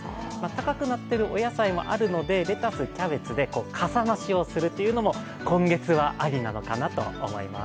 高くなっているお野菜もあるのでレタス、キャベツでかさ増しをするというのも今月はありなのかなと思います。